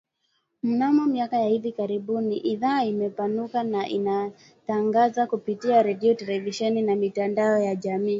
Mnamo miaka ya hivi karibuni idhaa imepanuka na inatangaza kupitia redio televisheni na mitandao ya kijamii